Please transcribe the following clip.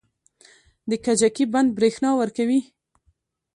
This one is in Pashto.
د کجکي بند بریښنا ورکوي